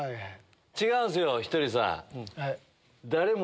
違うんすよひとりさん。